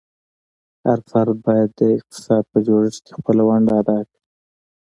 هر فرد باید د اقتصاد په جوړښت کې خپله ونډه ادا کړي.